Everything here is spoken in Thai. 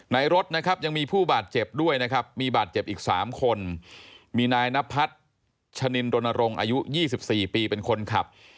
รถนะครับยังมีผู้บาดเจ็บด้วยนะครับมีบาดเจ็บอีก๓คนมีนายนพัฒน์ชะนินรณรงค์อายุ๒๔ปีเป็นคนขับ